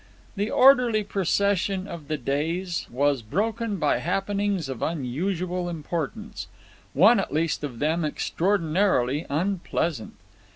The orderly procession of the days was broken by happenings of unusual importance, one at least of them extraordinarily unpleasant.